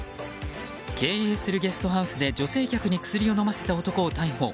経営するゲストハウスで女性客に薬を飲ませた男を逮捕。